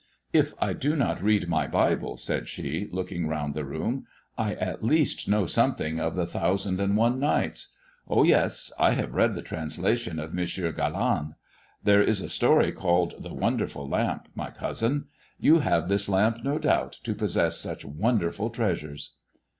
" If I do not read my Bible," said she, looking round the room, " I, at least, know something of the * Thousand and One Nights.' Oh, yes. I have read the translation of M. Galland. There is a story called * The Wonderful Lamp/ my cousin. You have this lamp, no doubt, to possess such wonderful treasures."